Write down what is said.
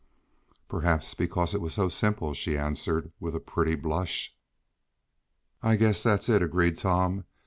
"Perhaps because it was so simple," she answered, with a pretty blush. "I guess that's it," agreed Tom.